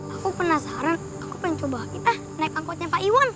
aku penasaran aku pengen coba kita naik angkotnya pak iwan